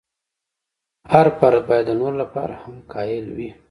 هر فرد باید د نورو لپاره هم قایل وي.